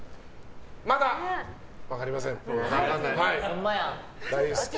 まだ分かりません。